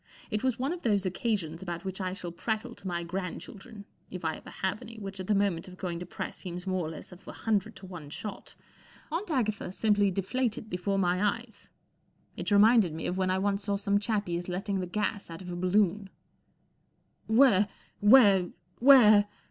It was one of those occasions about which I shall prattle to my grand¬ children—if 1 ever have any, which at the moment of going to press seems more or less of a hundred to one shot. Aunt Agatha simply deflated before my eyes. It reminded me of when I once saw some chappies letting the gas out of a balloon, " Where—where—where